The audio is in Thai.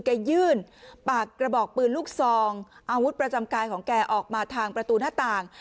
ยื่นปากกระบอกปืนลูกซองอาวุธประจำกายของแกออกมาทางประตูหน้าต่าง